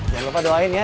jangan lupa doain ya